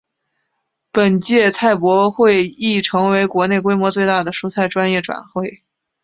本届菜博会亦成为国内规模最大的蔬菜专业展会。